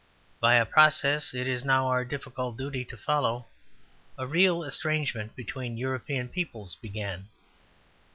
By a process it is now our difficult duty to follow, a real estrangement between European peoples began.